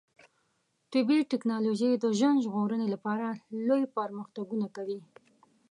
طبي ټکنالوژي د ژوند ژغورنې لپاره لوی پرمختګونه کوي.